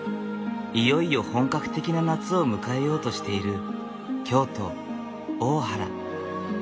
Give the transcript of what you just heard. いよいよ本格的な夏を迎えようとしている京都・大原。